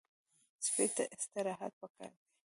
سپي ته استراحت پکار دی.